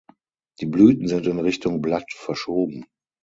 Die Blüten sind in Richtung Blatt verschoben.